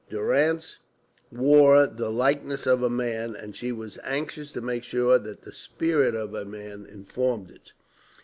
Durrance wore the likeness of a man, and she was anxious to make sure that the spirit of a man informed it.